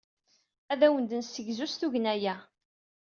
Ad awen-d-nessegzu s tugna-a.